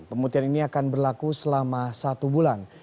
pemutihan ini akan berlaku selama satu bulan